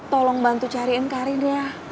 tolong bantu cariin karin ya